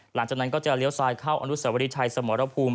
หลังจากนั้นก็จะเลี้ยวซ้ายเข้าอนุสวรีชัยสมรภูมิ